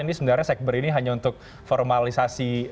ini sebenarnya sekber ini hanya untuk formalisasi